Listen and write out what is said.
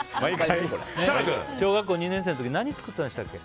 小学校２年生の時何作ってたんでしたっけ？